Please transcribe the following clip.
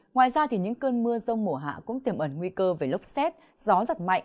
ngoài ra những cơn mưa rông mùa hạ cũng tiềm ẩn nguy cơ về lốc xét gió giật mạnh